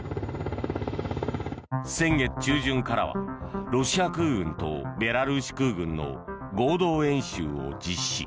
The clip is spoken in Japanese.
先月中旬からはロシア空軍とベラルーシ空軍の合同演習を実施。